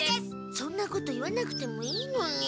そんなこと言わなくてもいいのに。